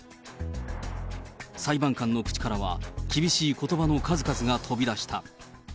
裁判官の口からは厳しいことばの数々が飛び出した。